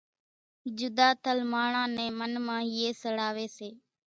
جُڌا ٿل ماڻۿان نين من مان ھئي سڙاوي سي۔